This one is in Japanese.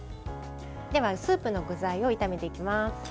では、スープの具材を炒めていきます。